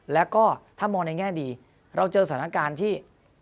แล้วก็ถ้ามองในแง่ดีเราเจอสถานการณ์ที่